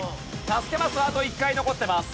助けマスはあと１回残ってます。